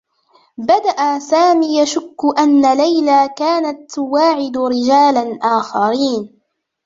بدأ سامي يشكّ أنّ ليلى كانت تواعد رجالا آخرين.